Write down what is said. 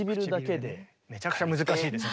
めちゃくちゃ難しいでしょう。